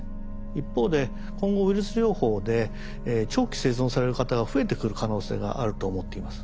一方で今後ウイルス療法で長期生存される方が増えてくる可能性があると思っています。